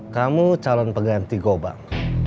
kamu calon pengganti gobang